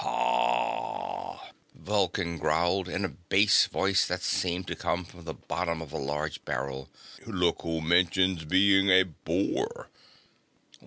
"Hah!" Vulcan growled, in a bass voice that seemed to come from the bottom of a large barrel. "Look who mentions being a bore."